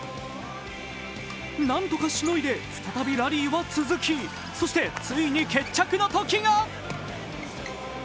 何とかしのいで再びラリーは続き、そして、ついに決着の時が！